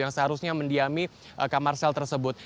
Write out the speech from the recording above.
yang seharusnya mendiami kamar sel tersebut